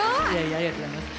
ありがとうございます。